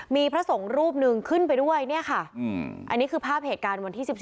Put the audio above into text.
มีพระสงฆ์รูปนึงขึ้นไปด้วยเนี่ยค่ะ